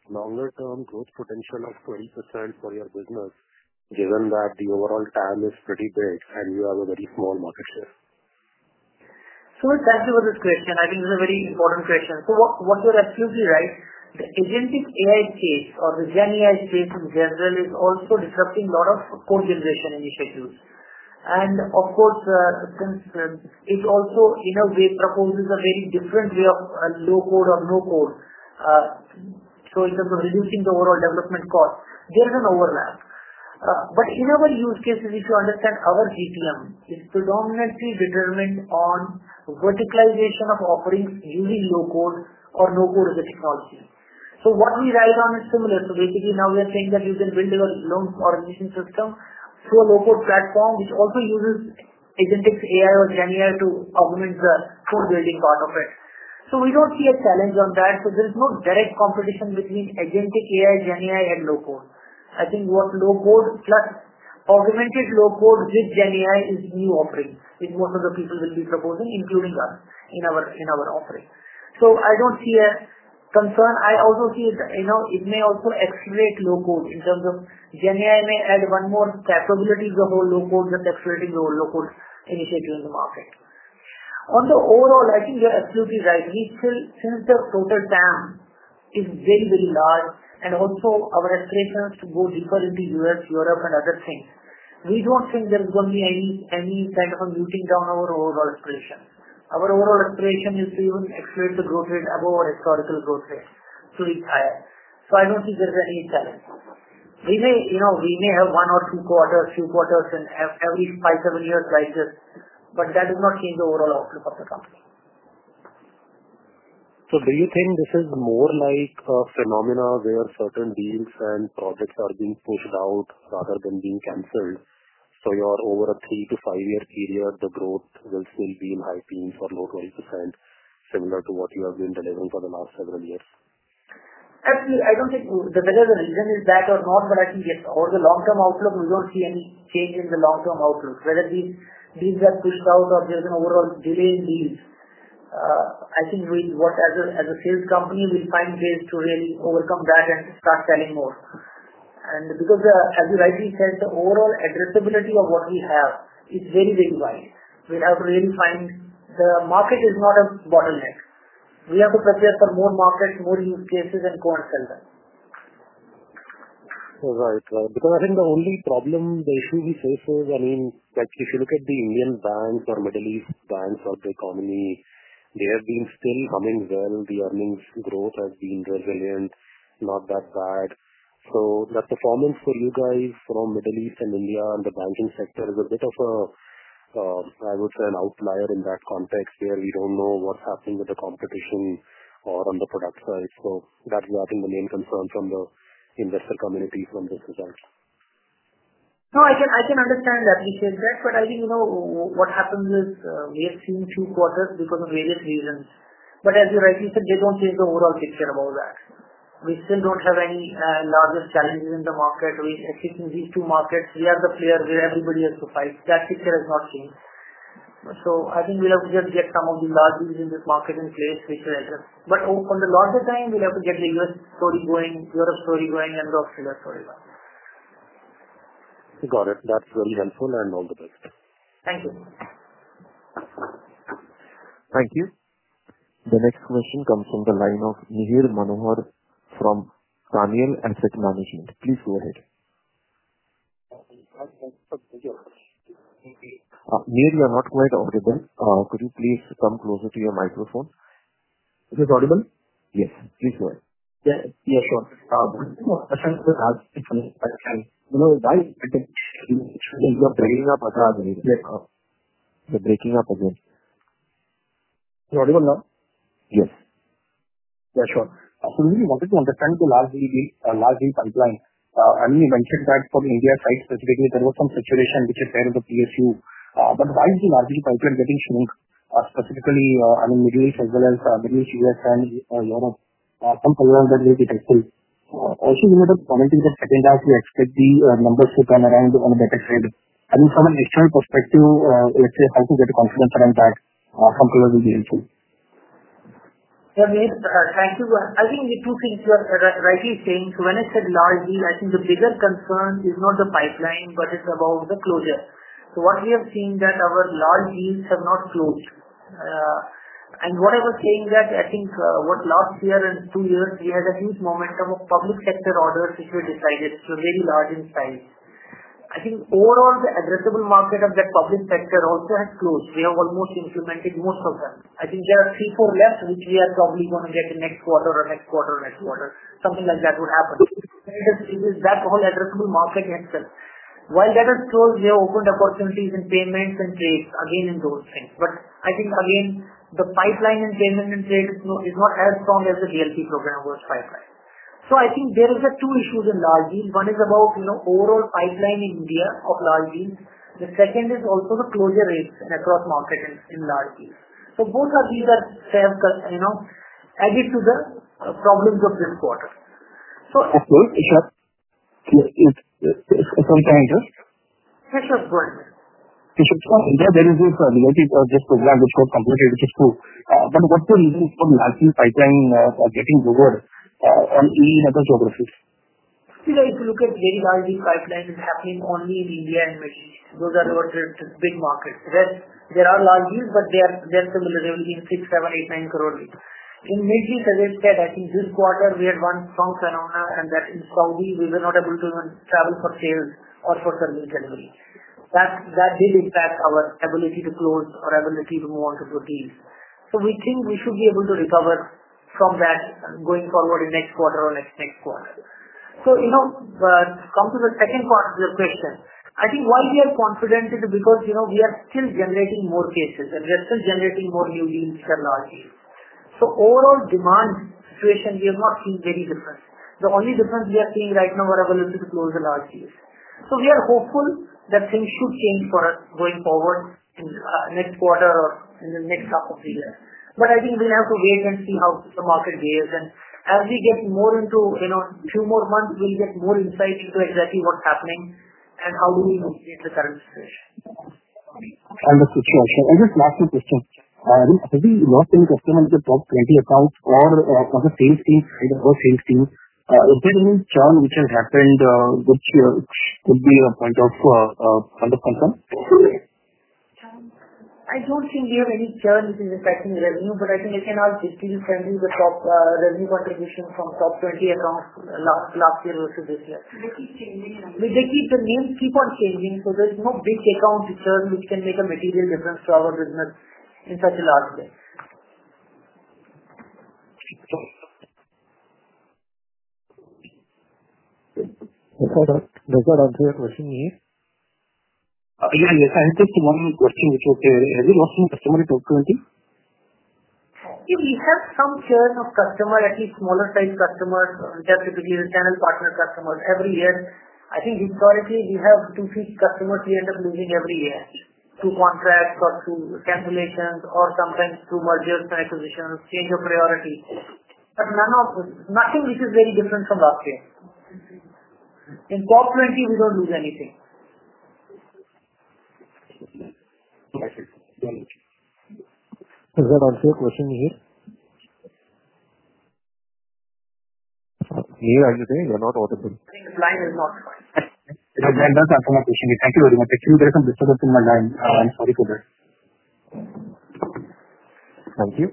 longer-term growth potential of 20% for your business, given that the overall TAM is pretty big and you have a very small market share? I think this is a very important question. What you're asking is, the agentic AI space or the GenAI space in general is also disrupting a lot of code generation initiatives. Of course, since it also, in a way, proposes a very different way of low-code or no-code, in terms of reducing the overall development cost, there is an overlap. In our use cases, if you understand our GTM, it's predominantly determined on verticalization of offerings using low-code or no-code of the technology. What we write down is similar. Basically, now we are saying that you can bring your long automation system through a low-code platform, which also uses agentic AI or GenAI to augment the full building part of it. We don't see a challenge on that. There's no direct competition between agentic AI, GenAI, and low-code. I think what low-code plus augmented low-code with GenAI is, is a new offering in what other people will be proposing, including us in our offering. I don't see a concern. I also see it may also accelerate low-code in terms of GenAI may add one more capability to the whole low-code, just accelerating the whole low-code initiative in the market. On the overall, I think you're absolutely right. We think the total time is very, very large. Also, our expectations to go deeper into the U.S., Europe, and other things. We don't think there's going to be any kind of a muting down our overall expectation. Our overall expectation is to even accelerate the growth rate above our historical growth rate. It's higher. I don't think there's any challenge. We may have one or two quarters, a few quarters in every five, seven years like this, but that will not change the overall outlook of the company. Do you think this is more like a phenomenon where certain deals and projects are being sold out rather than being canceled? Over a 3-5 year period, the growth will still be in high teens or low 20% similar to what you have been delivering for the last several years? Absolutely. I don't think the revenue is back or not, but I think yes, over the long-term outlook, we will not see any change in the long-term outlook. Whether the deals get pushed out or there's an overall delay in deals, I think as a sales company, we'll find ways to really overcome that and start selling more. Because, as you rightly said, the overall addressability of what we have, it's very, very wide. We have to really find the market is not a bottleneck. We have to prepare for more markets, more use cases, and go and sell them. Right. I think the only problem, if you be social, I mean, like if you look at the Indian banks or Middle East banks of the economy, they have been still humming well. The earnings growth has been resilient, not that bad. The performance for you guys from Middle East and India and the banking sector is a bit of a, I would say, an outlier in that context where we don't know what's happening with the competition or on the product side. I think the main concern from the investor community from this is us. No, I can understand that detail. Therefore, I think you know what happens is we have seen two quarters because of various reasons. As you rightly said, we don't see the overall picture of all that. We still don't have any larger challenges in the market. We're seeing these two markets. We are the player where everybody has to fight. That picture is not seen. I think we have to just get some of the large deals in this market and play a safe better. On the larger side, we'll have to get the U.S. story going, Europe story going, and the offseller story going. Got it. That's very helpful and all the best. Thank you. Thank you. The next question comes from the line of Mihir Manohar from Canelian Asset Management. Please go ahead. Mihir, you are not quite audible. Could you please come closer to your microphone? Is it audible? Yes, please go ahead. Yes, sure. I think the guys are breaking up again. You're breaking up again. You're audible now? Yes. Yeah, sure. We wanted to understand the large deal pipeline. You mentioned that from India side specifically, there was some saturation, which is fair on the PSU. Why is the large deal pipeline getting shrunk, specifically, Middle East as well as Middle East, U.S., and Europe? Some colors that will be difficult. I think in the commenting of the second half, we expect the numbers to come around on a better side. From an external perspective, let's say how to get the confidence around that, some colors will be useful. Yes, thank you. I think the two things you are rightly saying. When I said large deal, I think the bigger concern is not the pipeline, but it's about the closure. What we have seen is that our large deals have not closed. What I was saying is that I think what last year and two years, we had a huge momentum of public sector orders which were decided to really large in spans. I think overall, the addressable market of the public sector also has closed. We are almost instrumenting most of that. I think there are three, four left, which we are probably going to get in next quarter or next quarter, next quarter. Something like that would happen. It is that whole addressable market itself. While that has closed, we have opened opportunities in payments and sales, again in those things. I think, again, the pipeline in payment and sales is not as strong as the DLP program was pipeline. I think there are just two issues in large deal. One is about, you know, overall pipeline in India of large deal. The second is also the closure rate across market in large deals. Both of these are said as it is to the problems of this quarter. Of course, it's two things. It's some tangents. Yes, sure. There is this DLP program which was completed, which is true. What the reason for large deal pipeline getting lowered on any methods or issues? See, if you look at really large deal pipeline, which is seen only in India and Middle East, those are the ones which have been market. There are large deals, but they're similar to them in 6 crores, 7 crores, 8 crores, 9 crores only. In Middle East, as I said, I think this quarter, we had one strong turnaround, and that in Saudi, we were not able to even travel for sales or for service delivery. That did impact our ability to close or ability to move on to proceeds. We think we should be able to recover from that going forward in next quarter or next next quarter. You know, come to the second part of your question. I think why we are confident is because you know we are still generating more cases and we are still generating more new deals for large deals. Overall demand situation, we have not seen very different. The only difference we are seeing right now is our ability to close the large deals. We are hopeful that things could change for us going forward in the next quarter or in the next half of the year. I think we'll have to wait and see how the market goes. As we get more into, you know, two more months, we'll get more insight into exactly what's happening and how we look at the services. On the quick question, are we not seeing customers which have dropped 20 accounts or from the sales team? Is there any churn which has happened that could be a point of undercontrol? I don't think we have any churns in the tracking revenue, but if you're not, it's really trending the revenue contribution from top 20 accounts last year versus this year. Does it keep changing? The names keep on changing. There's no big account churn which can make a material difference for our business in such a large way. Before that, Rohan, another question here? Yeah, I just have one question, which was, have you lost any customer in 2020? We have some churn of customers, at least smaller-sized customers, and they're typically internal partner customers every year. I think with priority, we have two to six customers we end up losing every year through contracts or through cancellations or sometimes through mergers and acquisitions, change of priority. Nothing which is very different from last year. In 2020, we don't lose anything. Does that answer your question here? Mihir, are you there? You're not audible. I think flying is not fine. We have vendors and communication. Thank you very much. Excuse me for disturbing my line. I'm sorry for that. Thank you.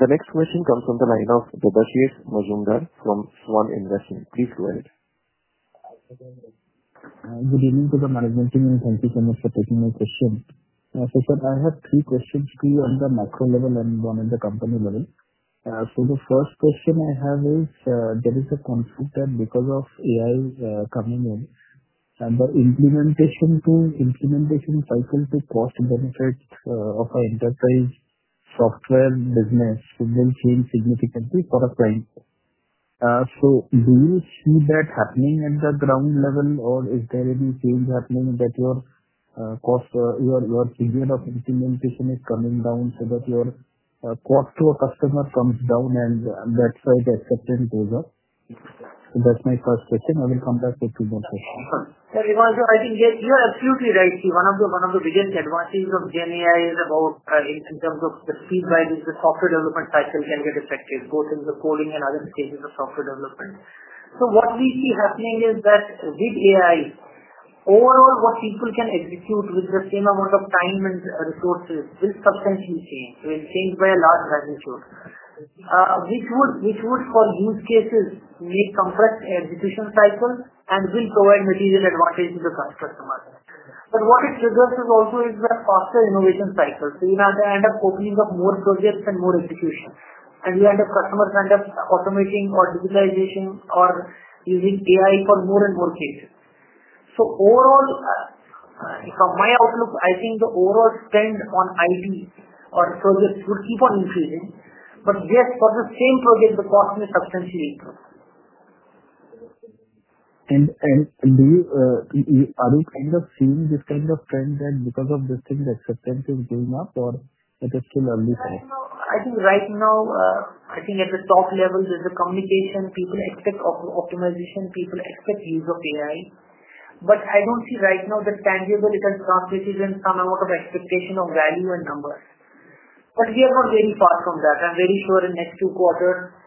The next question comes from the line of Debashish Mazumdar from Svan Investment. Please go ahead. Good evening to the management team, and thank you so much for taking my question. Sir, I have three questions, three on the macro level and one on the company level. The first question I have is there is a conflict because of AI coming in and the implementation cycle to cost benefits of our enterprise software business will change significantly for a client. Do you see that happening at the ground level, or is there any change happening that your cost, your period of implementation is coming down so that your cost to a customer comes down and that's why the acceptance goes up? That's my first question. I will come back to two more questions. Sir, I think you're absolutely right. One of the biggest advantages of GenAI is, in terms of the speed by which the software development cycle can be affected, both in the coding and other stages of software development. What we see happening is that with AI, overall, what people can execute with the same amount of time and resources will substantially change. It will change by a large magnitude, which would, for use cases, lead comfort in the execution cycle and will provide material advantage to the customer. What it triggers is also a faster innovation cycle. You know they end up opening up more projects and more executions. You end up, customers end up automating or digitalizing or using AI for more and more cases. Overall, from my outlook, I think the overall spend on IT or service would keep on increasing. Yes, for the same project, the cost may substantially increase. Are you kind of seeing this kind of trend then because of this thing that substantially going up, or it is still early phase? I think right now, at the top levels, there's a communication. People expect optimization. People expect use of AI. I don't see right now that tangible it has drafted even an amount of expectation of value and numbers. We are not very far from that. I'm very sure in the next two quarters,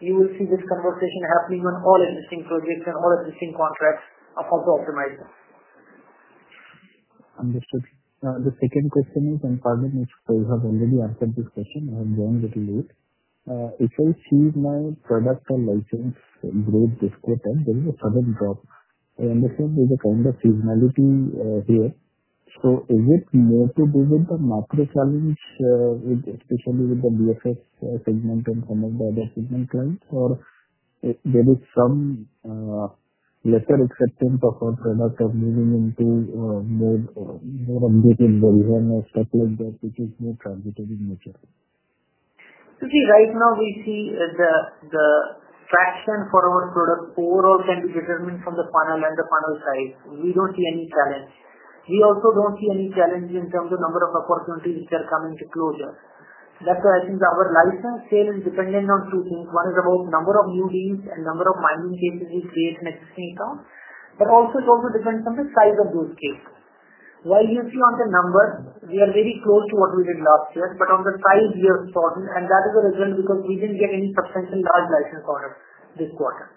you will see this conversation happening on all existing projects and all existing contracts about the optimizer. Understood. The second question is, and probably Mitch will have already answered this question. I'm going a little late. If I see my product or license growth description, there is a sudden drop. I understand there's a point of seasonality here. Is it more to do with the macro challenge, especially with the BFSI segment and common weather segment client, or there is some letter acceptance of our products of moving? Right now, we see the fashion for our product overall can be determined from the funnel and the funnel size. We don't see any challenge. We also don't see any challenge in terms of the number of opportunities which are coming to closure. I think our license sale and dependent on two things. One is about the number of new deals and the number of mining cases we face next quarter. That also is going to depend on the size of those cases. While you see on the numbers, we are very close to what we did last year, but on the time we are shortened, and that is a reason because we didn't get any substantial large license orders this quarter.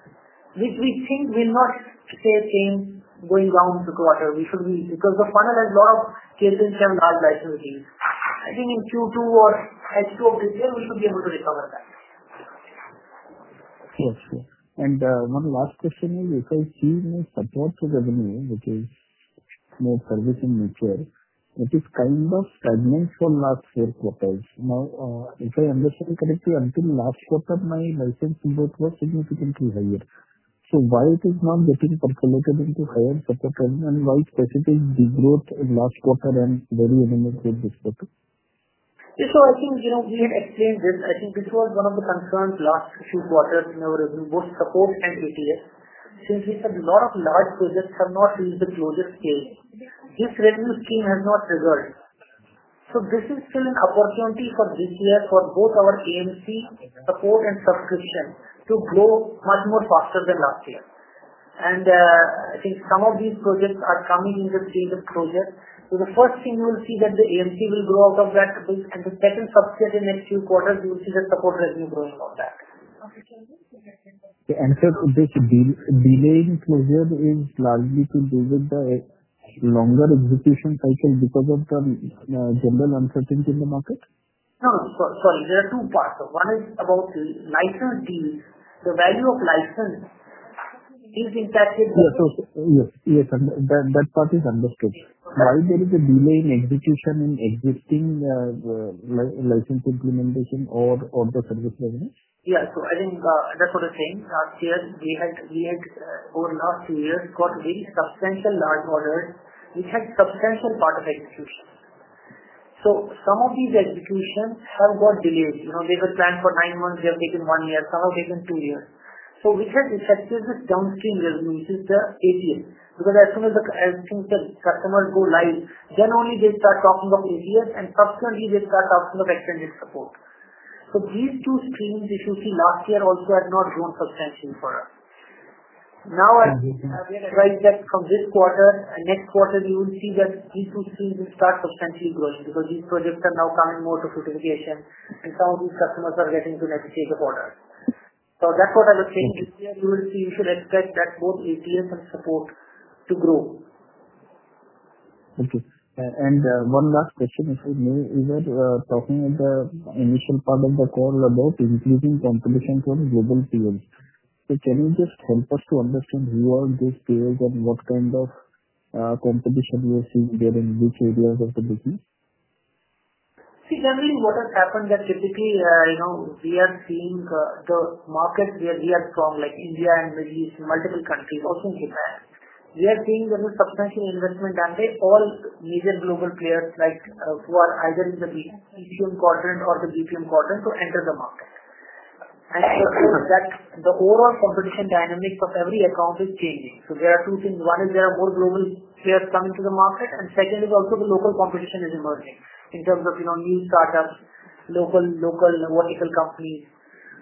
Which we think will not stay the same going down this quarter. We should be, because the funnel and a lot of cases have large license deals. I think in Q2 or H2 of this year, we should be able to recover that. Of course. One last question is, if I see no support to revenue, which is more for which I'm not sure, it is kind of stagnant from last year quarters. If I understand correctly, until last quarter, my license growth was significantly higher. Why is it not getting percolated into higher percentage and why is the percentage the growth in last quarter and very minimal growth this quarter? Yeah, I think we had exchanged this. I think this was one of the concerns last two quarters in our revenue, both support and ATS. Since we said a lot of large projects have not seen the closest change, this revenue stream has not resolved. This is still an opportunity for this year for both our AMC support and subscription to grow much more faster than last year. I think some of these projects are coming in the same project. The first thing you will see is that the AMC will go out of that book. The second subscription in the next few quarters, you will see that the whole revenue goes out of that. Would this delay in closure be partly to do with the longer execution cycle because of the general uncertainty in the market? No, sorry. There are two parts. One is about the license deals. The value of license is impacted. Yes, yes. That part is understood. Why is there a delay in execution in existing license implementation or the service revenue? Yeah, I think that's what I was saying. Last year, we had, over the last three years, got very substantial large orders. We had a substantial part of execution. Some of these executions have got delayed. You know, there's a plan for nine months. They'll take one year, some of it in two years. We had effective downstream revenue, which is the ATS. As soon as the customers go live, then only they start talking about ATS, and subsequently, they start talking about extended support. These two streams, if you see last year, also have not grown substantially for us. I think right next from this quarter and next quarter, you will see that these two streams will start substantially growing because these projects are now coming more to fruitification, and some of these customers are getting to negotiate the quarter. That's what I would say. This year, you will see if you expect that both ATS and support to grow. Okay. One last question, if I may, is that talking in the initial part of the call about increasing competition for global deals. Can you just help us to understand who are those players and what kind of competition you are seeing there in which areas of the business? See, generally, what is happening at the GP, we are seeing the markets where we are strong, like India and the Middle East, multiple countries, also in APAC. We are seeing almost substantial investment done by all Asian global players who are either in the ECM quadrant or the BPM quadrant to enter the market. The overall competition dynamic of every account is changing. There are two things. One is there are more global players coming to the market, and second is also the local competition is emerging in terms of new startups, local vertical companies.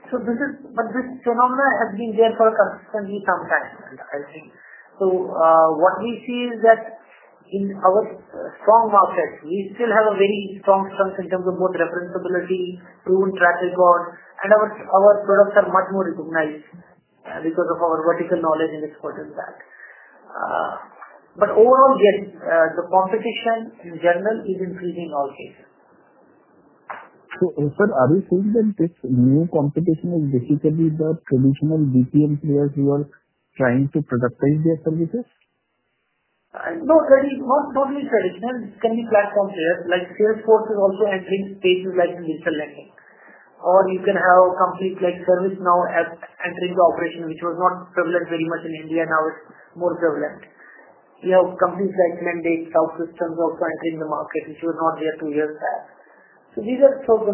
This phenomenon has been there consistently for some time, I think. What we see is that in our strong markets, we still have a very strong sense in terms of both reference popularity, rule, traffic, and our products are much more recognized because of our vertical knowledge and expertise in that. Overall, yes, the competition in general is increasing in all cases. Are you saying that this new competition is basically the traditional Business Process Management players, you are trying to productize their services? Not really. Not really traditional. It can be platform players like Salesforce is also entering stages like digital lending. You can have a company like ServiceNow that's entering the operation, which was not prevalent very much in India, and now it's more prevalent. You have companies like Mendix, OutSystems also entering the market, which was not here two years. The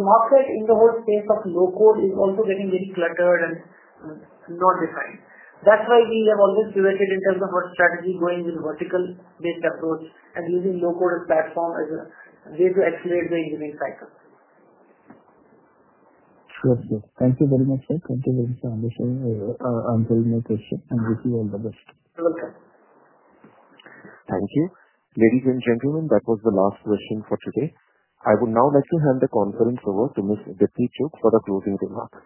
market in the worst case of low-code is also getting very cluttered and not defined. That's why we have almost pivoted in terms of our strategy going with a vertical-based approach and using low-code platforms as a way to accelerate the engineering cycle. Thank you very much, sir. Thank you very much. Thank you. Ladies and gentlemen, that was the last question for today. I would now like to hand the conference over to Ms. Deepti Chugh for the closing remarks.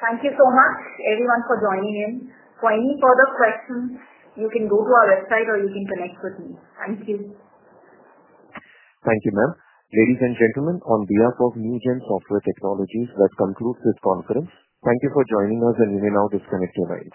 Thank you so much, everyone, for joining in. For any further questions, you can go to our website or you can connect with me. Thank you. Thank you, ma'am. Ladies and gentlemen, on behalf of Newgen Software Technologies Limited, that concludes this conference. Thank you for joining us, and we will now disconnect the mic.